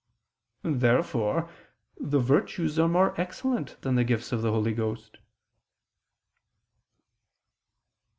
Therefore the virtues are more excellent than the gifts of the Holy Ghost.